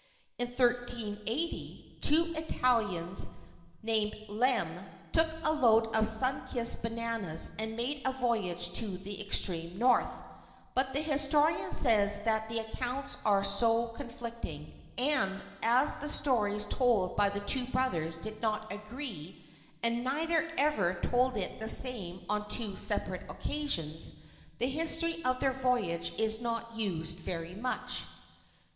In 1380 two Italians named Lem took a load of sun kissed bananas and made a voyage to the extreme north, but the historian says that the accounts are so conflicting, and as the stories told by the two brothers did not agree and neither ever told it the same on two separate occasions, the history of their voyage is not used very much.